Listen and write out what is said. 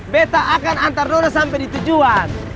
beta akan antar dona sampai di tujuan